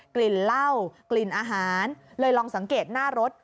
กลิ่นเหล้ากลิ่นอาหารเลยลองสังเกตหน้ารถ